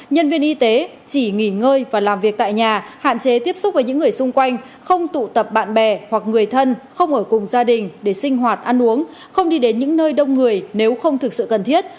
nhân viên y tế chỉ nghỉ ngơi và làm việc tại nhà hạn chế tiếp xúc với những người xung quanh không tụ tập bạn bè hoặc người thân không ở cùng gia đình để sinh hoạt ăn uống không đi đến những nơi đông người nếu không thực sự cần thiết